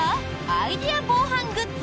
アイデア防犯グッズ！